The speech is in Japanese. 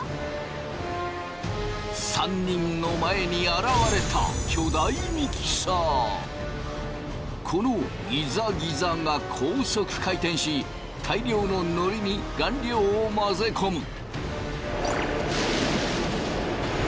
３人の前に現れたこのギザギザが高速回転し大量ののりに顔料を混ぜ込む。